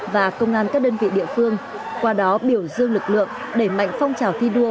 và công an các đơn vị địa phương qua đó biểu dương lực lượng đẩy mạnh phong trào thi đua